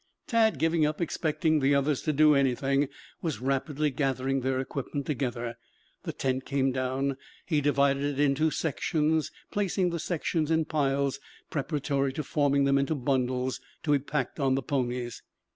Tad, giving up expecting the others to do anything, was rapidly gathering their equipment together. The tent came down. He divided it into sections, placing the sections in piles preparatory to forming them into bundles to be packed on the ponies.